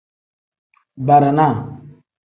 Barana.